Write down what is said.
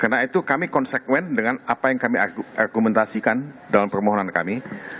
karena itu kami konsekuen dengan apa yang kami argumentasikan dalam permohonan kami